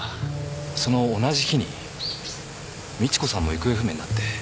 その同じ日に美知子さんも行方不明になって。